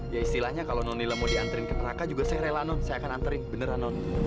ya istilahnya kalau nonila mau diantarin ke neraka juga saya rela no saya akan anterin beneran non